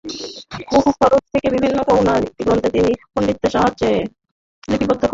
বহু খরচ করে বিভিন্ন পৌরাণিক গ্রন্থকে তিনি পণ্ডিতদের সাহায্যে সংস্কৃত লিপির বদলে বাংলা লিপিতে লিপিবদ্ধ করান।